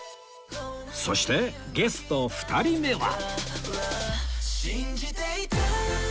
そしてゲスト２人目は